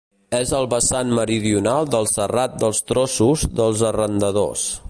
És el vessant meridional del Serrat dels Trossos dels Arrendadors.